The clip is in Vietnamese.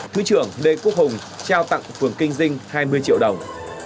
thứ trưởng lê quốc hùng trao tặng phường kinh dinh hai mươi triệu đồng